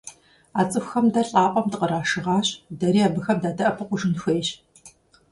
А цӀыхухэм дэ лӀапӀэм дыкърашыгъащ, дэри абыхэм дадэӀэпыкъужын хуейщ.